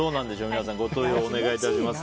皆さんご投票をお願いします。